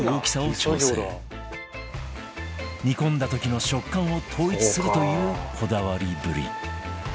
煮込んだ時の食感を統一するというこだわりぶり